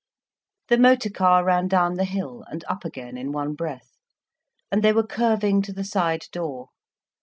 The motor car ran down the hill and up again in one breath, and they were curving to the side door.